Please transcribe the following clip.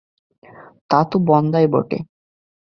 তা তো বন্ধ্যাই বটে।